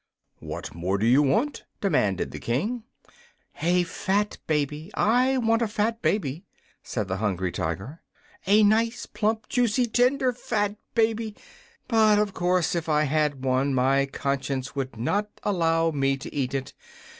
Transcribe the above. "What more do you want?" demanded the King. "A fat baby. I want a fat baby," said the Hungry Tiger. "A nice, plump, juicy, tender, fat baby. But, of course, if I had one, my conscience would not allow me to eat it.